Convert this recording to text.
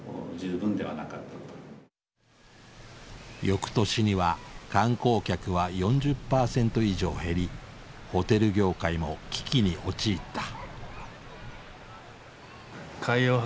翌年には観光客は４０％以上減りホテル業界も危機に陥った。